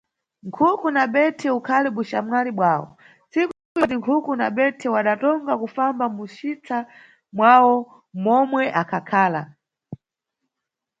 Nkhuku na bethe udali uxamwali bwawo, tsiku ibodzi, Nkhuku na Bethe wadatonga kufamba mucisa mwawo momwe akhakhala.